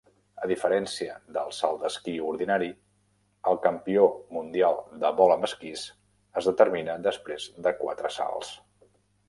A diferència del salt d'esquí ordinari, el Campió Mundial de Vol amb Esquís es determina després de quatre salts.